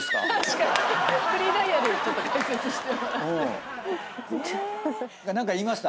フリーダイヤルちょっと開設してもらって。